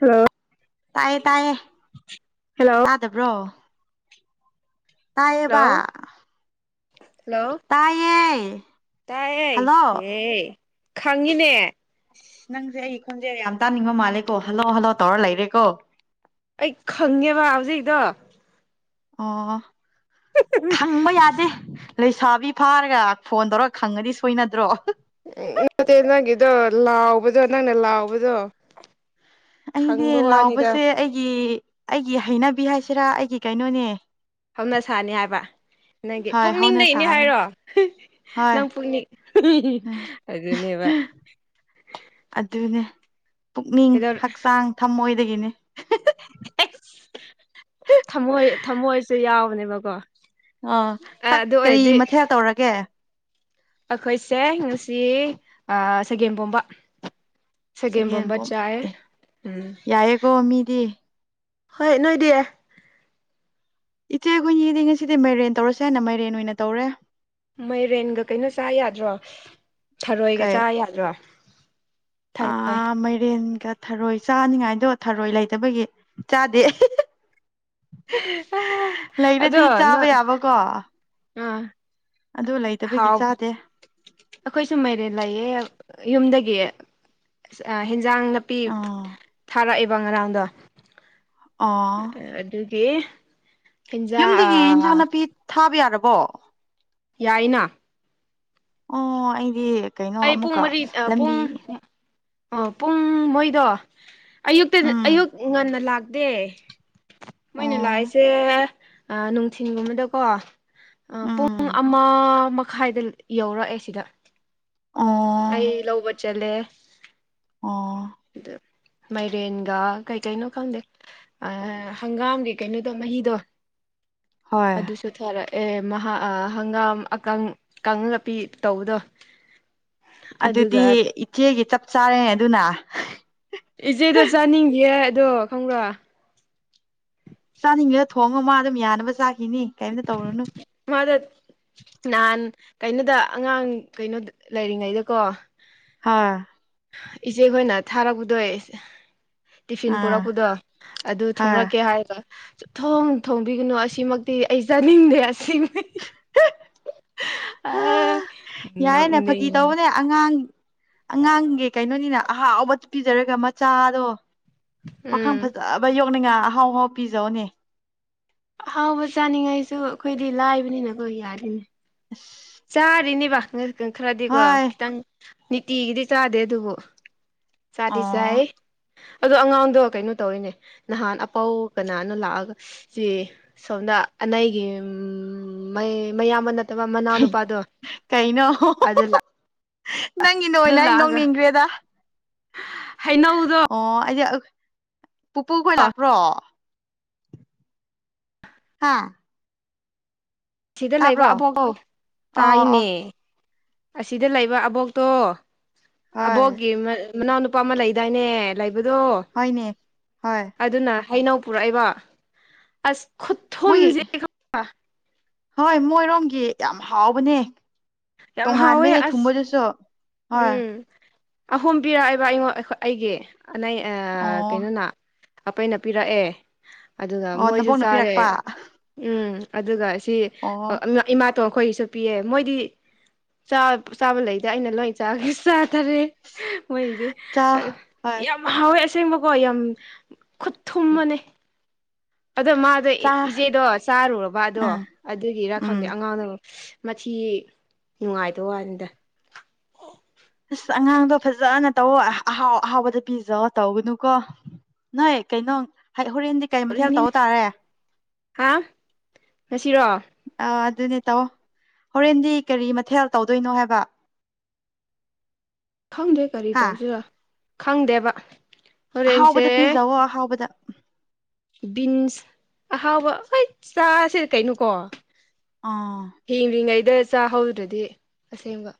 ꯍ ꯇꯥꯏꯌꯦ ꯇꯥꯏꯌꯦ ꯍꯜꯂꯣ ꯇꯥꯗꯕ꯭ꯔꯣ ꯍꯜꯂꯣ ꯇꯥꯏꯦꯕ ꯍꯜꯂꯣ ꯇꯥꯏꯌꯦ ꯇꯥꯏꯌꯦ ꯍꯜꯂꯣ ꯌꯦ ꯈꯪꯉꯤꯅꯦ ꯅꯪꯁꯦ ꯑꯩꯒꯤ ꯈꯣꯟꯁꯦ ꯌꯥꯝ ꯇꯥꯅꯤꯡꯕ ꯃꯥꯜꯂꯦꯀꯣ ꯍꯜꯂꯣ ꯍꯜꯂꯣ ꯇꯧꯔ ꯂꯩꯔꯦꯀꯣ ꯑꯩ ꯈꯪꯉꯦꯕ ꯍꯧꯖꯤꯛꯗꯣ ꯑꯣ ꯈꯪꯕ ꯌꯥꯗꯦ ꯂꯩꯁꯥꯕꯤ ꯐꯥꯔꯒ ꯐꯣꯟ ꯇꯧꯔ ꯈꯪꯉꯗꯤ ꯁꯣꯏꯅꯗ꯭ꯔꯣ ꯎ ꯅꯠꯇꯦ ꯅꯪꯒꯤꯗꯣ ꯂꯥꯎꯕꯗꯣ ꯅꯪꯅ ꯂꯥꯎꯕꯗꯣ ꯑꯩꯅꯦ ꯈꯪꯕ ꯋꯥꯅꯤꯗ ꯂꯥꯎꯕꯁꯦ ꯑꯩꯒꯤ ꯑꯩꯒꯤ ꯍꯩꯅꯕꯤ ꯍꯥꯏꯁꯤꯔꯥ ꯑꯩꯒꯤ ꯀꯩꯅꯣꯅꯦ ꯍꯧꯅꯁꯥꯅꯤ ꯍꯥꯏꯕ ꯅꯪꯒꯤ ꯍꯣꯏ ꯍꯧꯅ ꯄꯨꯛꯅꯤꯡꯗꯅꯤ ꯁꯥꯅꯦ ꯍꯥꯏꯔꯣ ꯍꯣꯏ ꯅꯪ ꯄꯨꯛꯅꯤꯡ ꯍꯤꯍꯤ ꯑꯗꯨꯅꯦꯕ ꯑꯗꯨꯅꯦ ꯄꯨꯛꯅꯤꯡ ꯀꯩꯗꯧ ꯍꯛꯆꯥꯡ ꯊꯝꯃꯣꯏꯗꯒꯤꯅꯤ ꯍꯦꯁ ꯊꯃꯣꯏ ꯊꯃꯣꯏꯁꯦ ꯌꯥꯎꯕꯅꯦꯕꯀꯣ ꯑ ꯆꯥꯛ ꯑꯗꯨ ꯀꯔꯤ ꯑꯣꯏꯔꯗꯤ ꯃꯊꯦꯜ ꯇꯧꯔꯒꯦ ꯑꯩꯈꯣꯏꯁꯦ ꯉꯁꯤ ꯁꯒꯦꯝ ꯄꯣꯝꯕ ꯁꯒꯦꯝ ꯁꯒꯦꯟ ꯄꯣꯝꯕ ꯄꯣꯝ ꯆꯥꯏ ꯑꯦ ꯎꯝ ꯌꯥꯏꯌꯦꯀꯣ ꯃꯤꯗꯤ ꯍꯣꯏ ꯅꯣꯏꯗꯤ ꯏꯆꯦ ꯑꯩꯈꯣꯏꯒꯤꯗꯤ ꯉꯁꯤꯗꯤ ꯃꯥꯏꯔꯦꯟ ꯇꯧꯔꯁꯦ ꯍꯥꯏꯅ ꯃꯥꯏꯔꯦꯟ ꯑꯣꯏꯅ ꯇꯧꯔꯦ ꯃꯥꯏꯔꯦꯟꯒ ꯀꯩꯅꯣ ꯆꯥ ꯌꯥꯗ꯭ꯔꯣ ꯊꯔꯣꯏꯒ ꯆꯥ ꯌꯥꯗ꯭ꯔꯣ ꯑ ꯊꯔꯣꯏ ꯃꯥꯏꯔꯦꯟꯒ ꯊꯔꯣꯏ ꯆꯥꯅꯤꯡꯉꯥꯏꯗꯣ ꯊꯔꯣꯏ ꯂꯩꯇꯕꯒꯤ ꯆꯥꯗꯦ ꯍ ꯑꯗꯣ ꯂꯩꯔꯗꯤ ꯆꯥꯕ ꯅꯪ ꯌꯥꯕꯀꯣ ꯑꯥ ꯑꯗꯨ ꯂꯩ ꯍꯥꯎ ꯑꯩꯈꯣꯏꯁꯨ ꯃꯩꯔꯦꯟ ꯂꯩꯌꯦ ꯌꯨꯝꯗꯒꯤ ꯑꯁ ꯑ ꯍꯦꯟꯖꯥꯡ ꯅꯥꯄꯤ ꯑꯥ ꯊꯥꯔꯛꯑꯦꯕ ꯉꯔꯥꯡꯗꯣ ꯑꯣ ꯑ ꯑꯗꯨꯗꯤ ꯍꯦꯟꯖꯥꯡ ꯑ ꯌꯨꯝꯗꯒꯤ ꯏꯟꯁꯥꯡ ꯅꯥꯄꯤ ꯊꯥꯕ ꯌꯥꯔꯕꯣ ꯌꯥꯏꯅ ꯑꯣ ꯑꯩꯗꯤ ꯀꯩꯅꯣ ꯑꯩ ꯄꯨꯡ ꯑꯃꯨꯛꯀ ꯃꯔꯤ ꯑ ꯄꯨꯡ ꯂꯝꯕꯤ ꯑꯣ ꯄꯨꯡ ꯃꯣꯏꯗꯣ ꯑꯌꯨꯛꯇ ꯎꯝ ꯑꯌꯨꯛ ꯉꯟꯅ ꯂꯥꯛꯗꯦ ꯃꯣꯏꯅ ꯑꯣ ꯂꯥꯛꯏꯁꯦ ꯅꯨꯡꯊꯤꯟꯒꯨꯝꯕꯗꯀꯣ ꯄꯨꯡ ꯎꯝ ꯑꯃ ꯃꯈꯥꯏꯗ ꯌꯧꯔꯛꯑꯦ ꯁꯤꯗ ꯑ ꯑꯩ ꯂꯧꯕ ꯆꯠꯂꯦ ꯑꯣ ꯑꯗ ꯃꯥꯏꯔꯦꯟꯒ ꯀꯩꯀꯩꯅꯣ ꯈꯪꯗꯦ ꯍꯪꯒꯥꯝꯒꯤ ꯀꯩꯅꯣꯗꯣ ꯃꯍꯤꯗꯣ ꯍꯣꯏ ꯑꯗꯨꯁꯨ ꯊꯔꯛꯑꯦ ꯃꯍꯥꯛ ꯍꯪꯒꯥꯝ ꯑꯀ ꯀꯥꯡ ꯂꯄꯤ ꯇꯧꯕꯗꯣ ꯑꯗꯨꯗꯤ ꯑꯗꯨꯒ ꯏꯆꯦꯒꯤ ꯆꯞ ꯆꯥꯔꯦꯅꯦ ꯑꯗꯨꯅ ꯏꯆꯦꯗꯣ ꯆꯥꯅꯤꯡꯒꯦ ꯑꯗꯣ ꯈꯪꯕ꯭ꯔꯣ ꯆꯥꯅꯤꯡꯉꯤꯒ ꯊꯣꯡꯉ ꯃꯥ ꯑꯗꯨꯝ ꯌꯥꯅꯕ ꯆꯥꯈꯤꯅꯤ ꯀꯩꯝꯇ ꯇꯧꯔꯨꯅꯨ ꯃꯥꯗ ꯅꯍꯥꯟ ꯀꯩꯅꯣꯗ ꯑꯉꯥꯡ ꯀꯩꯅꯣꯗ ꯂꯩꯔꯤꯉꯩꯗꯀꯣ ꯍꯥꯥ ꯏꯆꯦꯈꯣꯏꯅ ꯊꯥꯔꯛꯄꯗꯣꯏ ꯇꯤꯐꯤꯟ ꯑꯥ ꯄꯨꯔꯛꯄꯗꯣ ꯑꯗꯨ ꯍꯥ ꯊꯣꯡꯂꯛꯀꯦ ꯍꯥꯏꯔꯒ ꯊꯣꯡ ꯊꯣꯡꯕꯤꯒꯅꯨ ꯑꯁꯤꯃꯛꯇꯤ ꯑꯩ ꯆꯥꯅꯤꯡꯗꯦ ꯑꯁꯤ ꯑ ꯍꯥ ꯅ ꯌꯥꯏꯅꯦ ꯐꯥꯒꯤ ꯇꯧꯕꯅꯦ ꯑꯉꯥꯡ ꯑꯉꯥꯡꯒꯤ ꯀꯩꯅꯣꯅꯤꯅ ꯑꯍꯥꯎꯕ ꯄꯤꯖꯔꯒ ꯃꯆꯥꯗꯣ ꯄꯥꯈꯪ ꯎꯝ ꯐꯖꯕ ꯌꯣꯛꯅꯤꯡꯉ ꯑꯍꯥꯎ ꯑꯍꯥꯎ ꯄꯤꯖꯧꯅꯦ ꯑꯍꯥꯎꯕ ꯆꯥꯅꯤꯡꯉꯥꯏꯁꯨ ꯑꯩꯈꯣꯏꯗꯤ ꯂꯥꯏꯕꯅꯤꯅꯀꯣ ꯌꯥꯔꯤꯅꯦ ꯑ ꯆꯥꯔꯤꯅꯦꯕ ꯈꯔꯗꯤꯀꯣ ꯈꯤꯇꯪ ꯅꯤꯇꯤꯒꯤꯗꯤ ꯆꯥꯗꯦ ꯑꯗꯨꯕꯨ ꯑꯣ ꯁꯥꯗꯤꯁꯥꯏ ꯑꯗꯣ ꯑꯉꯥꯡꯗꯣ ꯀꯩꯅꯣ ꯇꯧꯔꯤꯅꯦ ꯅꯍꯥꯟ ꯑꯄꯥꯎ ꯀꯅꯥꯅ ꯂꯥꯛꯑꯒ ꯁꯤ ꯁꯣꯝꯅ ꯑꯅꯩꯒꯤꯩ ꯃꯌꯥꯝꯕ ꯅ ꯀꯩꯅꯣ ꯑꯗꯨ ꯅꯪꯒꯤ ꯅꯣ ꯑꯣꯏꯅ ꯑꯩ ꯅꯣꯡꯅꯤꯡꯈ꯭ꯔꯦꯗ ꯍꯩꯅꯧꯗ ꯑꯣ ꯑꯩꯗꯤ ꯄꯨꯄꯨꯈꯣꯏ ꯂꯥꯛꯄ꯭ꯔꯣ ꯍꯥꯥ ꯑꯁꯤꯗ ꯂꯩꯕ ꯑꯕꯣꯛꯣ ꯑꯣ ꯑꯣ ꯇꯥꯏꯅꯦ ꯑꯁꯤꯗ ꯂꯩꯕ ꯑꯕꯣꯛꯇꯣ ꯍꯣꯏ ꯑꯕꯣꯛꯀꯤ ꯃꯅꯥꯎꯅꯨꯄꯥ ꯑꯃ ꯂꯩꯗꯥꯏꯅꯦ ꯂꯩꯕꯗꯣ ꯍꯅꯦ ꯍ ꯑꯗꯨꯅ ꯍꯩꯅꯧ ꯄꯨꯔꯛꯏꯕ ꯑꯁ ꯃꯣꯏꯒꯤ ꯈꯨꯊꯨꯝꯁꯦ ꯍꯣꯏ ꯃꯣꯏꯔꯣꯝꯒꯤ ꯌꯥꯝ ꯍꯥꯎꯕꯅꯦ ꯌꯥꯝ ꯍꯥꯎꯋꯦ ꯇꯣꯡꯉꯥꯟꯕꯅꯦ ꯑꯁ ꯊꯨꯝꯕꯗꯨꯁꯨ ꯍꯣꯏ ꯎꯝ ꯑꯍꯨꯝ ꯄꯤꯔꯛꯑꯦꯕ ꯑꯩꯉꯣꯟ ꯑꯩꯒꯤ ꯑꯩ ꯑꯣ ꯀꯩꯅꯣꯅ ꯑꯄꯩꯅ ꯄꯤꯔꯛꯑꯦ ꯑꯗꯨꯒ ꯑꯣ ꯃꯣꯏꯁꯨ ꯅꯕꯣꯛꯅ ꯆꯥꯔꯦ ꯄꯤꯔꯛꯄ ꯎꯝ ꯑꯗꯨꯒ ꯁꯤ ꯑꯣ ꯏꯃꯥꯇꯣ ꯑꯩꯈꯣꯏꯒꯤꯁꯨ ꯄꯤꯌꯦ ꯃꯣꯏꯗꯤ ꯆꯥꯕ ꯂꯩꯇꯦ ꯑꯩꯅ ꯂꯣꯏꯅ ꯆꯥꯒꯤ ꯆꯥꯊꯔꯦ ꯃꯣꯏꯗꯤ ꯆꯥ ꯍꯣꯏ ꯌꯥꯝ ꯍꯥꯎꯋꯦ ꯑꯁꯦꯡꯕꯀꯣ ꯌꯥꯝ ꯈꯨꯠ ꯊꯨꯝꯃꯅꯦ ꯑꯗꯣ ꯃꯥꯗꯣ ꯆꯥ ꯏꯆꯦꯗꯣ ꯆꯥꯔꯨꯔꯕ ꯑꯗꯣ ꯑꯥ ꯑꯗꯨꯒꯤꯔꯥ ꯎꯝ ꯈꯪꯗꯦ ꯑꯉꯥꯡꯅ ꯃꯊꯤ ꯅꯨꯡꯉꯥꯏꯗ ꯋꯥꯅꯤꯗ ꯑꯁ ꯑꯉꯥꯡꯗꯣ ꯐꯖꯅ ꯇꯧꯣ ꯑꯍꯥꯎ ꯑꯍꯥꯎꯕꯗ ꯄꯤꯖ ꯇꯧꯕꯅꯨꯀꯣ ꯅꯣꯏ ꯀꯩꯅꯣ ꯍꯣꯔꯦꯟꯗꯤ ꯀꯩ ꯃꯊꯦꯜ ꯇꯧꯔꯤꯅꯤ ꯇ ꯇꯥꯔꯦ ꯍꯥ ꯉꯁꯤꯔꯣ ꯑ ꯑꯗꯨꯅꯦ ꯇꯧꯑꯣ ꯍꯣꯔꯦꯟꯗꯤ ꯀꯔꯤ ꯃꯊꯦꯜ ꯇꯧꯗꯣꯏꯅꯣ ꯍꯥꯏꯕ ꯈꯪꯗꯦ ꯀꯔꯤ ꯍꯥ ꯇꯧꯁꯤꯔ ꯈꯪꯗꯦꯕ ꯍꯣꯔꯦꯟꯁꯦ ꯑꯍꯥꯎꯕꯗ ꯄꯤꯖꯥꯋ ꯑꯍꯥꯎꯕꯗ ꯕꯤꯟꯁ ꯑꯍꯥꯎꯕ ꯍꯣꯏ ꯆꯥꯁꯦ ꯀꯩꯅꯣꯀꯣ ꯑꯥ_ _ ꯍꯤꯡꯂꯤꯉꯩꯗꯥ ꯆꯥꯍꯧꯗ꯭ꯔꯗꯤ ꯑꯁꯦꯡꯕ꯫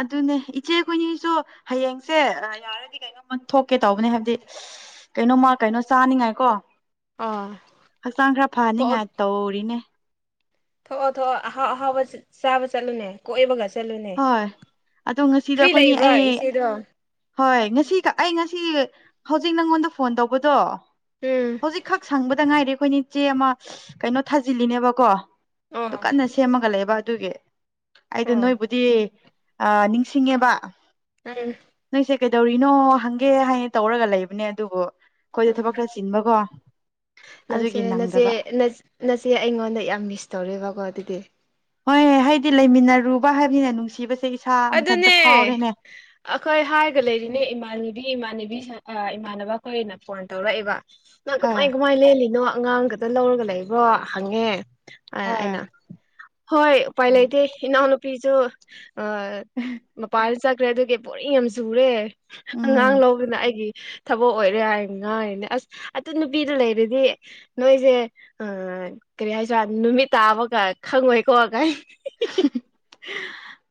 ꯑꯗꯨꯅꯦ ꯏꯆꯦ ꯈꯣꯏꯅꯤꯁꯨ ꯍꯌꯦꯡꯁꯦ ꯌꯥꯔꯗꯤ ꯀꯩꯅꯣꯝꯃ ꯊꯣꯛꯀꯦ ꯇꯧꯕꯅꯦ ꯍꯥꯏꯕꯗꯤ_ _ ꯀꯩꯅꯣꯃ ꯀꯩꯅꯣ ꯆꯥꯅꯤꯡꯉꯥꯏꯀꯣ ꯑꯥ ꯍꯛꯆꯥꯡ ꯈꯔ ꯊꯣꯛꯑꯣ ꯐꯍꯅꯤꯡꯉꯥꯏ ꯇꯧꯔꯤꯅꯦ꯫ ꯊꯣꯛꯑꯣ ꯊꯣꯛꯑꯣ ꯑꯍꯥꯎ ꯑꯍꯥꯎꯕ ꯆ ꯆꯥꯕ ꯆꯠꯂꯨꯅꯦ꯫ ꯀꯣꯏꯕꯒ ꯆꯠꯂꯨꯅꯦ ꯍꯣꯏ ꯑꯗꯣ ꯉꯁꯤꯗꯣ ꯐ꯭ꯔꯤ ꯑꯩꯈꯣꯏꯅꯤ ꯂꯩꯕ꯭ꯔꯣ ꯑꯩ ꯏꯆꯦꯗꯣ꯫ ꯍꯣꯏ ꯉꯁꯤꯈ ꯑꯩ ꯉꯁꯤ ꯍꯧꯖꯤꯛ ꯅꯉꯣꯟꯗ ꯐꯣꯟ ꯇꯧꯕꯗꯣ꯫ ꯎꯝ ꯍꯧꯖꯤꯛꯈꯛ ꯁꯪꯕꯗ ꯉꯥꯏꯔꯦ ꯑꯩꯈꯣꯏ ꯆꯦ ꯑꯃ ꯀꯩꯅꯣ ꯊꯥꯖꯤꯜꯂꯤꯅꯦꯕꯀꯣ ꯑꯣ ꯀ ꯇꯦꯝꯃꯒ ꯂꯩꯕ ꯑꯗꯨꯒꯤ ꯑꯩꯗꯣ ꯑꯣ ꯅꯣꯏꯕꯨꯗꯤ ꯑ ꯅꯤꯡꯁꯤꯡꯉꯦꯕ꯫ [unintelligible] ꯅꯡꯁꯦ ꯀꯩꯗꯧꯔꯤꯅꯣ ꯍꯪꯒꯦ ꯍꯥꯏ ꯇꯧꯔꯒ ꯂꯩꯕꯅꯦ ꯑꯗꯨꯕꯨ_ _ ꯈꯣꯏꯗ ꯎꯝ ꯊꯕꯛ ꯈꯔ ꯆꯤꯟꯕꯀꯣ ꯅꯪꯁꯦ ꯑꯗꯨꯒꯤ ꯅꯆꯦ ꯅꯪꯗꯕ꯫ ꯅꯆꯦ ꯑꯩꯉꯣꯟꯗ ꯌꯥꯝ ꯃꯤꯁ ꯇꯧꯔꯦꯕꯀꯣ ꯑꯗꯨꯗꯤ꯫ ꯍꯣꯏ ꯍꯥꯏꯗꯤ ꯂꯩꯃꯤꯟꯅꯔꯨꯕ ꯍꯥꯏꯕꯅꯤꯅ ꯅꯨꯡꯁꯤꯕꯁꯦ_ _ ꯑꯗꯨꯅꯦ_ _ ꯑꯈꯣꯏ ꯍꯥꯏꯔꯒ ꯂꯩꯔꯤꯅꯦ ꯏꯃꯥꯟꯅꯤꯕꯤ ꯏꯃꯥꯟꯅꯤꯕꯤꯁꯥ ꯏꯃꯥꯟꯅꯕ ꯑꯈꯣꯏꯅ ꯐꯣꯟ ꯇꯧꯔꯛꯏꯦꯕ꯫ ꯅꯪ ꯍꯣꯏ ꯀꯃꯥꯏ ꯀꯃꯥꯏ ꯂꯦꯜꯂꯤꯅꯣ ꯑꯉꯥꯡꯒꯗ ꯂꯧꯔꯒ ꯂꯩꯕ꯭ꯔꯣ ꯍꯪꯉꯦ ꯑ ꯍꯣꯏ ꯑꯩꯅ_ _ ꯍꯣꯏ ꯎꯄꯥꯏ ꯂꯩꯇꯦ ꯏꯅꯥꯎꯅꯨꯄꯤꯁꯨ ꯑ ꯃꯄꯥꯜ ꯆꯠꯈ꯭ꯔꯦ ꯑꯗꯨꯒꯤ꯫ ꯕꯣꯔꯤꯡ ꯌꯥꯝ ꯆꯨꯔꯦ ꯎꯝ ꯑꯉꯥꯡ ꯂꯣꯕꯗ ꯑꯩꯒꯤ꯫ ꯊꯕꯛ ꯑꯣꯏꯔꯦ ꯍꯥꯏ ꯉꯥꯡꯉꯤꯅꯦ ꯑꯁ ꯑꯗꯨ ꯅꯨꯄꯤꯗꯨ ꯂꯩꯔꯗꯤ_ _ ꯅꯣꯏꯖꯦ ꯑ ꯀꯔꯤ ꯍꯥꯏꯗꯤꯔꯥ ꯅꯨꯃꯤꯠ ꯇꯥꯕꯒ ꯈꯪꯉꯣꯏꯀꯣꯒꯥꯏ꯫ [unintelligible]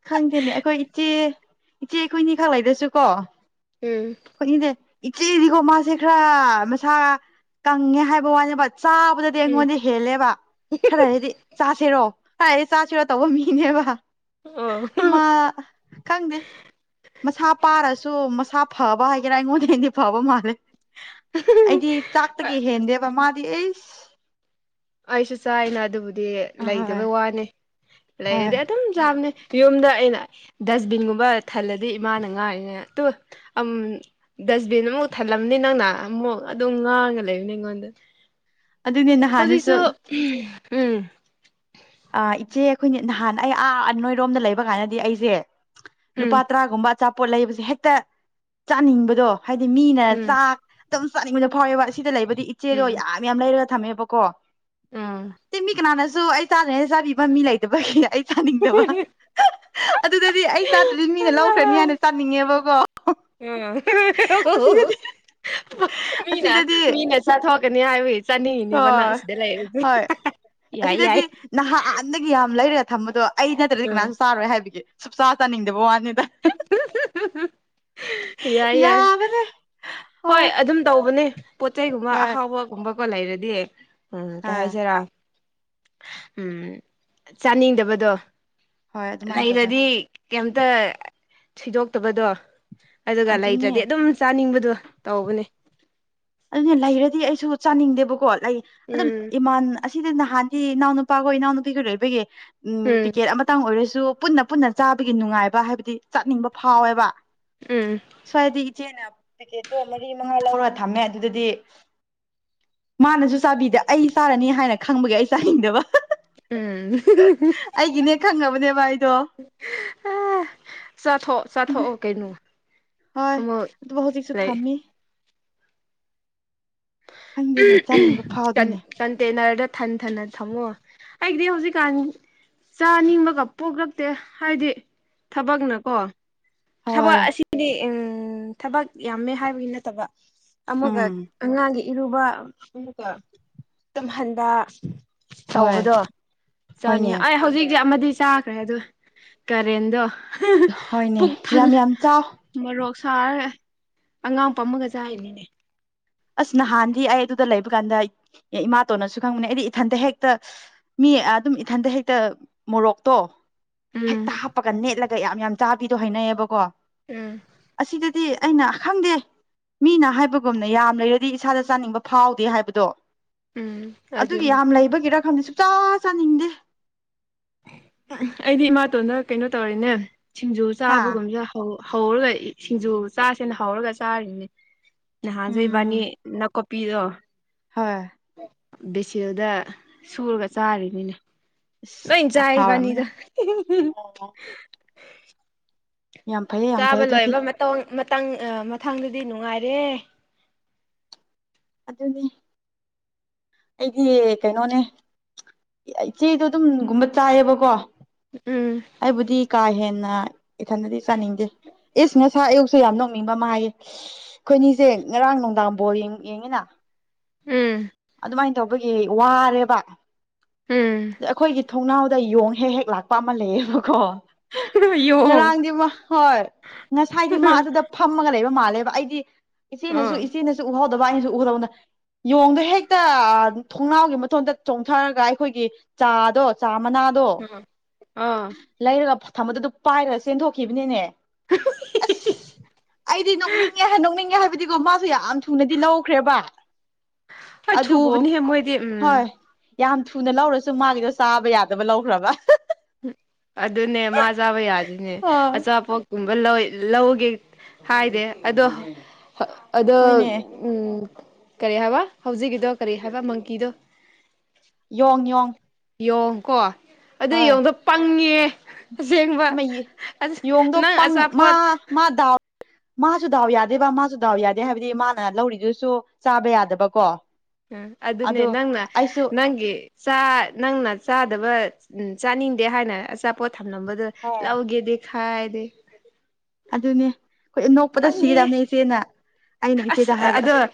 ꯈꯪꯗꯦꯅꯦ ꯑꯩꯈꯣꯏ ꯏꯆꯦ ꯏꯆꯦ ꯑꯩꯈꯣꯏꯅꯤ ꯈꯛ ꯂꯩꯔꯁꯨ ꯀꯣ_ ꯎꯝ _ [unintelligible] ꯏꯆꯦꯗꯤꯀꯣ ꯃꯥꯁꯦ ꯈꯔ ꯃꯁꯥ ꯀꯪꯉꯦ ꯍꯥꯏꯕ ꯋꯥꯅꯦꯕ ꯆꯥꯕꯗꯗꯤ ꯎꯝ ꯑꯩꯉꯣꯟꯗꯩ_ _ ꯍꯦꯜꯂꯦꯕ ꯈꯔ ꯍꯥꯏꯗꯤ ꯆꯥꯁꯤꯔꯣ [unintelligible] ꯆꯥꯁꯤꯔꯣ ꯇꯧꯕ ꯃꯤꯅꯦꯕ꯫ [unintelligible] ꯀꯥ ꯈꯡꯗꯦ꯫ ꯃꯁꯥ ꯄꯥꯔꯁꯨ ꯃꯁꯥ ꯐꯕ ꯍꯥꯏꯒꯦꯔꯥ ꯑꯩꯉꯣꯟꯗꯩꯗꯤ ꯐꯕ ꯃꯥꯜꯂꯦ꯫ ꯑꯩꯗꯤ ꯆꯥꯛꯇꯒꯤ ꯍꯦꯟꯗꯦꯕ ꯃꯥꯗꯤ ꯏ_ _ ꯑꯩꯁꯨ ꯆꯥꯏꯅ ꯑꯗꯨꯕꯨꯗꯤ ꯑꯍꯣꯏ ꯂꯩꯗꯕꯩ ꯋꯥꯅꯤ ꯍꯣꯏ ꯂꯩꯔꯗꯤ ꯑꯗꯨꯝ ꯆꯥꯕꯅꯤ꯫ ꯌꯨꯝꯗ ꯑꯩꯅ ꯗꯁꯕꯤꯟꯒꯨꯝꯕ ꯊꯜꯂꯗꯤ ꯏꯃꯥꯅ ꯉꯥꯏꯉꯤꯅꯤ ꯇꯨ ꯑꯝ_ _ ꯗꯁꯕꯤꯟ ꯑꯃꯨꯛ ꯊꯜꯂꯝꯅꯤ ꯅꯪꯅ ꯑꯃꯨꯛ ꯑꯗꯨꯝ ꯉꯥꯡꯉ ꯂꯩꯕꯅꯤ ꯑꯩꯉꯣꯟꯗ꯫ ꯑꯗꯨꯅꯦ _ _ ꯍꯧꯖꯤꯛꯁꯨ [unintelligible] ꯎꯝ_ _ ꯑ ꯏꯆꯦ ꯑꯩꯈꯣꯏꯅ ꯅꯍꯥꯟ ꯑꯩ ꯑꯥ ꯅꯣꯏꯔꯣꯝꯗ ꯂꯩꯕ ꯀꯥꯟꯗꯗꯤ ꯑꯩꯁꯦ ꯂꯨꯄꯥ ꯎꯝ ꯇꯔꯥꯒꯨꯝꯕ_ _ ꯑꯆꯥꯄꯣꯠ ꯂꯩꯕꯁꯦ ꯍꯦꯠꯇ ꯆꯥꯅꯤꯡꯕꯗꯣ ꯍꯥꯏꯗꯤ ꯃꯤꯅ ꯎꯝ ꯆꯥꯛ_ _ ꯑꯗꯨꯝ ꯆꯥꯅꯤꯡꯕꯗꯣ ꯐꯥꯎꯋꯦꯕ ꯁꯤꯗ ꯂꯩꯕꯗꯤ ꯏꯆꯦꯗꯣ ꯎꯝ ꯌꯥꯝ ꯌꯥꯝ ꯂꯩꯔꯒ ꯊꯝꯃꯦꯕꯀꯣ꯫ ꯎꯝ ꯁꯤ ꯃꯤ ꯀꯅꯥꯅꯁꯨ ꯑꯩ ꯆꯥꯗ꯭ꯔꯤꯉꯩ ꯆꯥꯕꯤꯕ ꯃꯤ ꯂꯩꯇꯕꯒꯤ ꯑꯩ ꯆꯥꯅꯤꯡꯗꯕ꯫ ꯑꯗꯨꯗꯗꯤ ꯑꯩ ꯆꯥꯗ꯭ꯔꯗꯤ ꯃꯤꯅ ꯂꯧꯈ꯭ꯔꯅꯤ ꯍꯥꯏꯅ ꯆꯥꯅꯤꯡꯉꯦꯕꯀꯣ꯫ ꯑꯁꯤꯗꯗꯤ ꯑꯁꯤꯗꯗꯤ [unintelligible] ꯆꯊꯣꯛꯀꯅꯤ ꯍꯥꯏꯕꯒꯤ ꯆꯅꯤꯡꯉꯤꯅꯦꯕ ꯅꯪ ꯍꯣꯏ ꯁꯤꯗ ꯂꯩꯔꯖꯨ ꯍꯣꯏ [unintelligible] ꯌꯥꯏ ꯑꯁꯤꯗꯗꯤ ꯌꯥꯏ꯫ ꯅꯍꯥꯟꯗꯒꯤ ꯌꯥꯝ ꯂꯩꯔꯒ ꯊꯝꯕꯗꯣ ꯑꯩ ꯅꯠꯇ꯭ꯔꯗꯤ ꯎꯝ ꯀꯅꯥꯁꯨ ꯆꯥꯔꯣꯏ ꯍꯥꯏꯕꯤꯒꯦ꯫ ꯁꯨꯛꯆ ꯆꯥꯅꯤꯡꯗꯕ ꯆꯥꯅꯤꯗ꯫ ꯌꯥꯏ ꯌꯥꯏ꯫ ꯌꯥꯕꯅꯦ ꯍꯣꯏ ꯑꯗꯨꯝ ꯇꯧꯕꯅꯦ ꯄꯣꯠ ꯆꯩꯩꯒꯨꯝꯕ ꯍꯣꯏ ꯑꯍꯥꯎꯕꯒꯨꯝꯕꯀꯣ ꯂꯩꯔꯗꯤ꯫ ꯎꯝ ꯀꯩ ꯍꯣꯏ ꯍꯥꯏꯖꯤꯔꯥ ꯎꯝ ꯆꯥꯅꯤꯡꯗꯕꯗꯣ꯫ ꯍꯣꯏ ꯑꯗꯨꯃꯥꯏꯅ ꯇꯧꯋꯦ ꯂꯩꯔꯗꯤ ꯀꯦꯝꯇ ꯊꯤꯗꯣꯛꯇꯕꯗꯣ꯫ ꯑꯗꯨꯒ ꯑꯗꯨꯅꯦ ꯂꯩꯇ꯭ꯔꯗꯤ ꯑꯗꯨꯝ ꯆꯥꯅꯤꯡꯕꯗꯨ ꯇꯧꯕꯅꯦ꯫ ꯑꯗꯨꯅꯦ ꯂꯩꯔꯗꯤ ꯑꯩꯁꯨ ꯆꯥꯅꯤꯡꯗꯦꯕꯀꯣ ꯂꯩ ꯑꯗꯨ ꯎꯝ ꯏꯃꯥꯟ꯫ ꯑꯁꯤꯗꯤ ꯅꯍꯥꯟꯗꯤ ꯏꯅꯥꯎ ꯅꯨꯄꯥꯈꯣꯏ ꯏꯅꯥꯎ ꯅꯨꯄꯤꯈꯣꯏ ꯂꯩꯕꯒꯤ ꯎꯝ ꯇꯤꯀꯦꯠ ꯑꯃ꯫ ꯉꯇꯪ ꯑꯣꯏꯔꯁꯨ ꯄꯨꯟꯅ ꯄꯨꯟꯅ ꯆꯥꯕꯒꯤ ꯅꯨꯡꯉꯥꯏꯕ ꯍꯥꯏꯕꯗꯤ ꯆꯥꯅꯤꯡꯕ ꯐꯥꯎꯋꯦꯕ꯫ ꯎꯝ꯫ ꯁ꯭ꯋꯥꯏꯗꯤ ꯏꯆꯦꯅ ꯇꯤꯛꯀꯦꯠꯇꯣ ꯃꯔꯤ ꯃꯉꯥ ꯂꯧꯔ ꯊꯝꯃꯦ꯫ ꯑꯗꯨꯗꯗꯤ ꯃꯥꯅꯁꯨ ꯆꯥꯕꯤꯗ ꯑꯩ ꯆꯥꯔꯅꯤ ꯍꯥꯏꯅ ꯈꯪꯕꯒꯤ ꯑꯩ ꯆꯥꯅꯤꯡꯗꯕ꯫ ꯎꯝ꯫ ꯑꯩꯒꯤꯅꯦ ꯈꯪꯉꯕꯅꯦꯕ ꯑꯩꯗꯣ꯫ ꯑꯦ ꯆꯥꯊꯣꯛ ꯆꯥꯊꯣꯛꯑꯣ ꯀꯩꯅꯣ꯫ ꯍꯣꯏ ꯑꯃꯨꯛ ꯑꯗꯨꯝ ꯍꯧꯖꯤꯛꯁꯨ ꯂꯩ ꯊꯝꯃꯤ꯫ ꯈꯪꯗꯦꯅꯦ ꯆꯥꯅꯤꯡꯕ ꯐꯥꯎꯗꯦꯅꯦ ꯀꯟꯇꯦꯟꯅꯔꯗ ꯊꯟ ꯊꯟꯅ ꯊꯝꯃꯣ ꯑꯩꯗꯤ ꯍꯧꯖꯤꯛꯀꯥꯟ꯫ ꯆꯥꯅꯤꯡꯕꯒ ꯄꯣꯛꯂꯛꯇꯦ ꯍꯥꯏꯗꯤ ꯊꯕꯛꯅꯀꯣ꯫ ꯊꯕꯛ ꯍꯣꯏ ꯑꯁꯤꯗꯤ ꯎꯝ ꯊꯕꯛ ꯌꯥꯝꯃꯦ ꯍꯥꯏꯕꯒꯤ ꯅꯠꯇꯕ꯫ ꯑꯃꯒ ꯎꯝ ꯑꯉꯥꯡꯒꯤ ꯏꯔꯨꯕ ꯑꯃꯒ ꯇꯨꯝꯍꯟꯕ꯫ ꯍꯣꯏ ꯇꯧꯕꯗꯣ ꯍꯣꯏꯅꯦ ꯆꯥꯅꯤꯡꯉ ꯑꯩ ꯍꯧꯖꯤꯛꯇꯤ ꯑꯃꯗꯤ ꯆꯥ꯫ ꯈꯔꯦꯑꯗꯨ ꯀꯔꯦꯟꯗꯣ ꯍꯣꯏꯅꯦ ꯄꯨꯛ ꯊꯜ꯫ ꯌꯥꯝ ꯌꯥꯝ ꯆꯥꯎ ꯃꯣꯔꯣꯛ ꯁꯥꯔꯦ ꯑꯉꯥꯡ ꯄꯃꯒ ꯆꯥꯔꯤꯅꯤꯅꯦ꯫ ꯑꯁ ꯅꯍꯥꯟꯗꯤ ꯑꯩ ꯑꯗꯨꯗ ꯂꯩꯕ ꯀꯥꯟꯗ ꯏꯃꯥ ꯇꯣꯟꯅꯁꯨ ꯈꯪꯕꯅꯦ ꯑꯩꯗꯤ ꯏꯊꯟꯇ ꯍꯦꯛꯇ꯫ ꯃꯤ ꯑꯗꯨꯝ ꯏꯊꯟꯗ ꯍꯦꯛꯇ ꯃꯣꯔꯣꯛꯇꯣ꯫ ꯍꯦꯛꯇ ꯎꯝ꯫ ꯍꯥꯞꯄꯒ ꯅꯦꯠꯂꯒ ꯌꯥꯝ ꯌꯥꯝ ꯆꯥꯕꯤꯗꯣ ꯍꯩꯅꯩꯌꯦꯕꯀꯣ ꯎꯝ ꯑꯁꯤꯗ꯫ ꯗꯤ ꯑꯩꯅ ꯈꯪꯗꯦ ꯃꯤꯅ ꯍꯥꯏꯕꯒꯨꯝꯅ ꯌꯥ꯫ ꯌꯝ ꯂꯩꯔꯗꯤ ꯏꯁꯥꯗ ꯆꯅꯤꯡꯕ ꯐꯥꯎꯗꯦ ꯍꯥꯏꯕꯗꯣ ꯎꯝ ꯑꯗꯨꯒꯤ ꯑꯗꯨꯅꯦ ꯌꯥꯝ ꯂꯩꯕꯒꯤꯔ ꯈꯪꯗꯦ꯫ ꯆꯥ ꯆꯥꯅꯤꯡꯗꯦ꯫ ꯑꯩꯗꯤ ꯏꯃꯥꯇꯣꯟꯅ ꯀꯩꯅꯣ ꯇꯧꯔꯤꯅꯅꯦ ꯁꯤꯡꯖꯨ ꯍꯥ ꯆꯥꯕꯒꯨꯝꯕꯖꯦ꯫ ꯍꯧ ꯍꯧꯔꯒ ꯁꯤꯡꯖꯨ ꯆꯥꯁꯦꯅ ꯍꯧꯔꯒ ꯆꯥꯔꯤꯅꯦ꯫ ꯅꯍꯥꯟꯁꯨ ꯏꯕꯅꯤ ꯅꯀꯨꯞꯄꯤꯗꯣ꯫ ꯍꯣꯢ꯫ ꯕꯦꯁꯤꯜꯗ ꯁꯨꯔꯒ ꯆꯥꯔꯤꯅꯤꯅꯦ꯫ ꯑꯁ ꯂꯣꯏ ꯌꯥꯝ ꯆꯥꯏ ꯍꯥꯎꯔꯝꯃꯅꯤ ꯏꯕꯅꯤꯗꯣ꯫ ꯑꯣ ꯌꯥꯝ ꯐꯩꯌꯦ ꯌꯥꯝ ꯆꯥꯕ ꯐꯩꯌꯦ ꯑꯗꯨꯗꯤ ꯂꯣꯏꯕ ꯃꯊꯪꯗꯗꯤ ꯅꯨꯡꯉꯥꯏꯔꯦ꯫ ꯑꯗꯨꯅꯤ꯫ ꯑꯩꯗꯤ ꯀꯩꯅꯣꯅꯦ꯫ ꯏꯆꯦꯗꯣ ꯑꯗꯨꯝꯒꯨꯝꯕ ꯆꯥꯏꯌꯦꯕꯀꯣ꯫ ꯎꯝ꯫ ꯑꯩꯕꯨꯗꯤ ꯀꯥ ꯍꯦꯟꯅ ꯏꯊꯟꯗꯗꯤ ꯆꯥꯅꯤꯡꯗꯦ꯫ ꯏꯁ ꯉꯁꯥꯏ ꯑꯌꯨꯛꯁꯨ ꯌꯥꯝ ꯅꯣꯡꯅꯤꯡꯕ ꯑꯃ ꯍꯥꯏꯌꯦ꯫ ꯑꯩꯈꯣꯏꯅꯤꯁꯦ ꯉꯔꯥꯡ ꯅꯨꯡꯗꯥꯡ ꯕꯣꯜ ꯌꯦꯡ ꯌꯦꯡꯉꯤꯅ꯫ ꯎꯝ꯫ ꯑꯗꯨꯃꯥꯏꯅ ꯇꯧꯕꯒꯤ ꯋꯥꯔꯦꯕ꯫ ꯎꯝ꯫ ꯑꯩꯈꯣꯏꯒꯤ ꯊꯣꯡꯅꯥꯎꯗ ꯌꯣꯡ ꯍꯦꯛ ꯍꯦꯛ ꯂꯥꯛꯄ ꯑꯃ ꯂꯩꯌꯦꯕꯀꯣ꯫ ꯌꯣꯡ ꯉꯔꯥꯡꯗꯤ ꯃꯍꯣꯏ ꯉꯁꯥꯏꯗꯤ ꯃꯥ ꯑꯗꯨꯗ ꯐꯝꯃꯒ ꯂꯩꯕ ꯃꯥꯜꯂꯦꯕ ꯑꯩꯗꯤ꯫ ꯏꯆꯦꯅꯁꯨ ꯑꯥ ꯏꯆꯦꯅꯁꯨ ꯎꯍꯧ꯫ ꯗꯕ ꯑꯩꯅꯁꯨ ꯎꯍꯧꯗꯕ ꯌꯣꯡꯗꯣ ꯍꯦꯛꯇ ꯊꯣꯡꯅꯥꯎꯒꯤ ꯃꯊꯣꯟꯗ ꯆꯣꯡꯊꯣꯛ꯫ ꯊꯔꯒ ꯑꯩꯈꯣꯏꯒꯤ ꯆꯥꯗꯣ ꯆꯥ ꯃꯅꯥꯗ꯫ ꯎꯝ ꯑꯥ꯫ ꯂꯩꯔꯒ ꯊꯝꯕꯗꯨ ꯑꯗꯨ ꯄꯥꯏꯔꯒ ꯆꯦꯟꯊꯣꯛꯈꯤꯕꯅꯤꯅꯦ ꯑꯁ꯫ ꯑꯩꯗꯤ ꯅꯣꯛꯅꯤꯡꯉꯦ ꯍꯥꯏ ꯅꯣꯛꯅꯤꯡꯉꯦ ꯍꯥꯏꯕꯗꯤꯀꯣ ꯃꯥꯁꯨ ꯌꯥꯝ ꯊꯨꯅꯗꯤ ꯂꯧꯈ꯭ꯔꯦꯕ꯫ ꯍꯣꯏ ꯑꯗꯨꯕꯨ ꯊꯨꯕꯅꯤꯍꯦ ꯃꯣꯏꯗꯤ ꯎꯝ ꯍꯣꯏ꯫ ꯌꯥꯝ ꯊꯨꯅ ꯂꯧꯔꯁꯨ ꯃꯥꯒꯤꯗꯣ ꯆꯥꯕ ꯌꯥꯗꯕ ꯂꯧꯈ꯭ꯔꯕ꯫ ꯑꯗꯨꯅꯦ ꯃꯥ ꯆꯥꯕ ꯌꯥꯗꯦꯅꯦ ꯍꯣꯏ ꯑꯆꯥꯄꯣꯠ꯫ ꯨꯝꯕ ꯂꯧ ꯂꯧꯒꯦ ꯍꯥꯏꯗꯦ ꯑꯗꯣ ꯑꯗꯣ ꯍꯣꯏꯅꯦ ꯎꯝ ꯀꯔꯤ ꯍꯥꯏꯕ ꯍꯧꯖꯤꯛꯀꯤꯗꯣ ꯀꯔꯤ ꯍꯥꯏꯕ ꯃꯪꯀꯤꯗꯣ ꯌꯣꯡ ꯌꯣꯡ ꯌꯦꯣꯡ ꯀꯣ ꯑꯗꯨ ꯍꯣꯏ ꯌꯦꯣꯡꯗꯣ ꯄꯪꯉꯦ ꯑꯁꯦꯡꯕ ꯃꯩ ꯌꯣꯡꯗꯣ ꯅꯪ ꯄꯪ ꯃꯥ ꯑꯆꯥꯄꯣꯠ ꯃꯥ ꯗꯥꯎ ꯃꯥꯁꯨ ꯗꯥꯎ ꯌꯥꯗꯦꯕ ꯃꯥꯁꯨ ꯗꯥꯎ ꯌꯥꯗꯦ ꯍꯥꯏꯕꯗꯤ ꯃꯥꯅ ꯂꯧꯔꯤꯗꯨꯁꯨ ꯆꯥꯕ ꯌꯥꯗꯕꯀꯣ ꯎ ꯑꯗꯨꯅꯦ ꯑꯗꯣ ꯅꯪꯅ ꯑꯩꯁꯨ ꯅꯪꯒꯤ ꯅꯪꯅ ꯆꯥꯗꯕ ꯎ ꯆꯥꯅꯤꯡꯗꯦ ꯍꯥꯏꯅ ꯑꯆꯥꯄꯣꯠ ꯊꯝꯂꯝꯕꯗꯨ ꯍꯣꯏ ꯂꯧꯥꯎꯒꯦꯗꯦ ꯈꯥꯏꯗ ꯑꯗꯨꯅꯦ ꯑꯩꯈꯣꯏ ꯅꯣꯛꯄꯗ ꯄꯪꯉꯦ ꯁꯤꯔꯕꯅꯦ ꯏꯆꯦꯅ ꯑꯩꯅ ꯑꯁ ꯏꯆꯦꯗ ꯍꯥꯏꯕ ꯑꯗ ꯑꯁ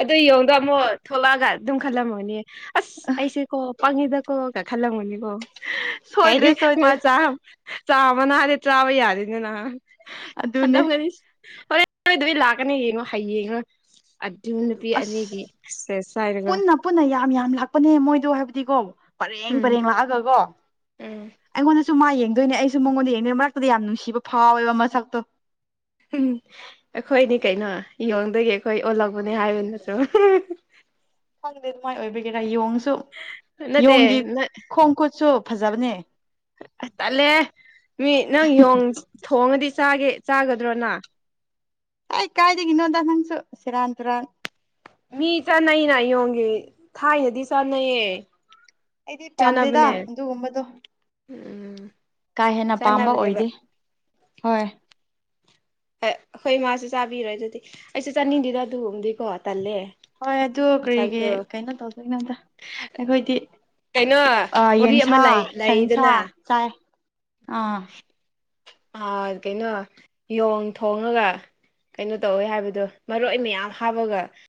ꯑꯗꯨ ꯌꯦꯡꯉꯗ ꯑꯃꯨꯛ ꯊꯣꯛꯂꯛꯑꯒ ꯑꯗꯨꯝ ꯈꯜꯂꯝꯃꯣꯅꯦ ꯑꯁ ꯑꯩꯁꯦ ꯀꯣ ꯄꯪꯉꯤꯗꯀꯣꯒ ꯈꯜꯂꯝꯕꯅꯤꯕꯣ ꯍꯥꯏꯗꯤ ꯁꯣꯏꯗ꯭ꯔꯦ ꯁꯣꯏꯗ꯭ꯔꯦ ꯃꯥꯆꯥ ꯆꯥꯃ ꯅꯍꯥꯟꯗꯤ ꯆꯥꯕ ꯌꯥꯗꯦꯅꯤ ꯅꯍꯥꯟ ꯑꯗꯨꯅꯦ ꯈꯟꯂꯝꯒꯅꯤ ꯍ ꯅꯣꯏ ꯑꯗꯨꯩ ꯂꯥꯛꯀꯅꯤ ꯌꯦꯡꯉꯣ ꯍꯌꯦꯡꯉꯣ ꯑꯗꯨ ꯅꯨꯄꯤ ꯑꯅꯤꯒꯤ ꯑꯁ ꯆꯥꯏꯔꯒ ꯄꯨꯟꯅ ꯄꯨꯟꯅ ꯌꯥꯝ ꯌꯥꯝ ꯂꯥꯛꯄꯅꯦ ꯃꯣꯏꯗꯣ ꯍꯥꯏꯕꯗꯤꯀꯣ ꯄꯔꯦꯡ ꯎꯝ ꯄꯔꯦꯡ ꯂꯥꯛꯑꯒꯀꯣ ꯎꯝ ꯑꯩꯉꯣꯟꯗꯁꯨ ꯃꯥ ꯌꯦꯡꯗꯣꯏꯅꯦ ꯑꯩꯁꯨ ꯃꯉꯣꯟꯗ ꯌꯦꯡꯗꯣꯏ ꯃꯔꯛꯇꯗ ꯌꯥꯝ ꯅꯨꯡꯁꯤꯕ ꯐꯥꯎꯋꯦꯕ ꯃꯁꯛꯇꯣ ꯎ ꯑꯩꯈꯣꯏꯅꯤ ꯀꯩꯅꯣ ꯌꯦꯌꯣꯡꯗꯒꯤ ꯑꯩꯈꯣꯏ ꯑꯣꯜꯂꯛꯧꯕꯅꯦ ꯍꯥꯏꯕꯅꯁꯨ ꯈꯪꯗꯦ ꯑꯗꯨꯃꯥꯏꯅ ꯑꯣꯏꯕꯤꯒꯦꯔꯥ ꯌꯦꯣꯡꯁꯨ ꯅꯠꯇꯦ ꯌꯦꯣꯡꯒꯤ ꯅ ꯈꯣꯡ ꯈꯨꯠꯁꯨ ꯐꯖꯕꯅꯦ ꯑ ꯇꯠꯂꯦ ꯃꯤ ꯅꯪ ꯊꯣꯡꯉꯗꯤꯒꯦ ꯆꯥꯒꯗ꯭ꯔꯣꯅ ꯑꯩ ꯀꯥꯏꯗꯒꯤꯅꯣꯗ ꯅꯪꯁꯨ ꯁꯤꯔꯥꯟ ꯇꯨꯔꯥꯟ ꯃꯤ ꯆꯥꯅꯩꯩꯅ ꯌꯦꯡꯒꯦ ꯊꯥꯏꯅꯗꯤ ꯆꯥꯅꯩꯌꯦ ꯑꯩꯗꯤ ꯄꯥꯝꯗꯦꯗ ꯆꯥꯅꯕꯅꯦ ꯑꯗꯨꯒꯨꯝꯕꯗꯣ ꯎꯝ ꯀꯥ ꯍꯦꯟꯅ ꯄꯥꯝꯕ ꯆꯥꯅꯕꯅꯦꯕ ꯑꯣꯏꯗꯦ ꯍꯣꯏ ꯑꯩꯣꯏ ꯃꯥꯁꯦ ꯆꯥꯕꯤꯔꯣꯏ ꯑꯗꯨꯗꯤ ꯑꯩꯁꯦ ꯆꯥꯅꯤꯡꯗꯦꯗ ꯑꯗꯨꯒꯨꯝꯗꯤꯀꯣ ꯇꯜꯂꯦ ꯍꯣꯏ ꯑꯗꯨ ꯀꯔꯤꯒꯤ ꯃꯁꯛꯇꯣ ꯀꯩꯅꯣ ꯇꯧꯗꯣꯏꯅꯣꯝꯗ ꯑꯩꯈꯣꯏꯗꯤ ꯀꯩꯅꯣ ꯑ ꯋꯥꯔꯤ ꯑꯃ ꯌꯦꯟꯁꯥ ꯂꯩ ꯁꯟꯁꯥ ꯂꯩꯗꯅ ꯆꯥꯏ ꯑꯥ ꯑ ꯀꯩꯅꯣ ꯌꯣꯡ ꯊꯣꯡꯉꯒ ꯀꯩꯅꯣ ꯇꯧꯋꯦ ꯍꯥꯏꯕꯗꯣ ꯃꯔꯣꯏ ꯃꯌꯥꯝ ꯍꯥꯞꯄꯒ